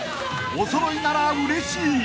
おそろいならうれしい］